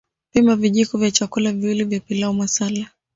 Pima vijiko vya chakula viwili vya pilau masala